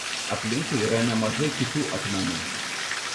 Aplinkui yra nemažai kitų akmenų.